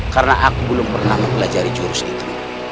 karena aku belum pernah mempelajari jurus itu